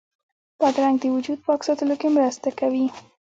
بادرنګ د وجود پاک ساتلو کې مرسته کوي.